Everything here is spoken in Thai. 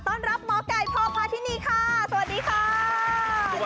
ต้อนรับหมอกัยพอพาที่นี่ค่ะสวัสดีค่ะ